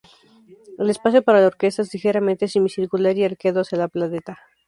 El espacio para la orquesta es ligeramente semicircular y arqueado hacia la platea.